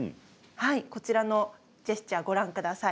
こちらのジェスチャーをご覧ください。